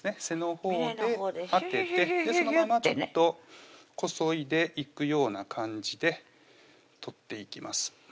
背のほうで当ててそのままちょっとこそいでいくような感じで取っていきます